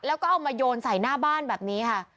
แล้วก็เอามาโยนใส่หน้าบ้านแบบนี้ค่ะ